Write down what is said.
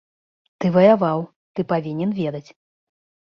Ты ваяваў, ты павінен ведаць.